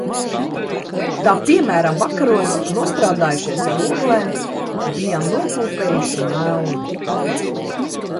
Tā piemēram vakaros nostrādājušies ar oglēm, bijām nokūpējuši melni.